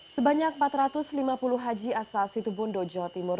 sebanyak empat ratus lima puluh haji asal situ bondo jawa timur